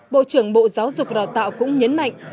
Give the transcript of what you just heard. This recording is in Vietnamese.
bộ trưởng bộ giáo dục và đào tạo cũng nhấn mạnh